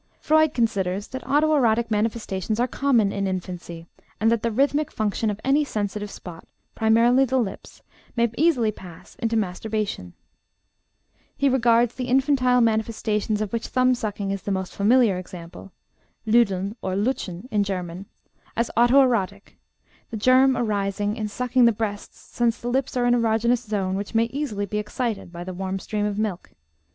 Freud considers that auto erotic manifestations are common in infancy, and that the rhythmic function of any sensitive spot, primarily the lips, may easily pass into masturbation. He regards the infantile manifestations of which thumb sucking is the most familiar example (Lüdeln or Lutschen in German) as auto erotic, the germ arising in sucking the breasts since the lips are an erogenous zone which may easily be excited by the warm stream of milk.